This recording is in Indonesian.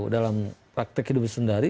dalam praktek hidup sendiri